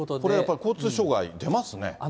これやっぱり、交通障害、出ますね。